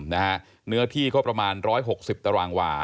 เนื้อที่ก็ประมาณ๑๖๐ตารางวา